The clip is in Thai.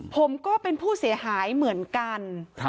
ผมก็เป็นผู้เสียหายเหมือนกัน